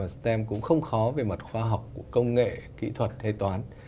stem cũng không khó về mặt khoa học công nghệ kỹ thuật kế toán